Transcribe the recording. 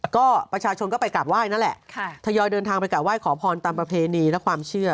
ก็ประชาชนก็ไปกลับไห้นั่นแหละทยอยเดินทางไปกลับไห้ขอพรตามประเพณีและความเชื่อ